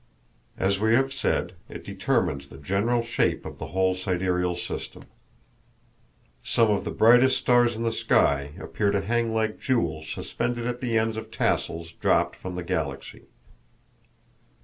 As we have said, it determines the general shape of the whole sidereal system. Some of the brightest stars in the sky appear to hang like jewels suspended at the ends of tassels dropped from the Galaxy.